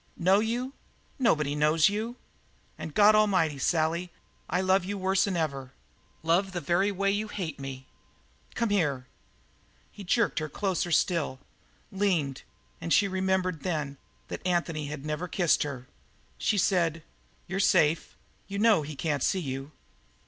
"Know you? Nobody knows you. And God Almighty, Sally, I love you worse'n ever; love the very way you hate me. Come here!" He jerked her closer still, leaned; and she remembered then that Anthony had never kissed her. She said: "You're safe; you know he can't see you."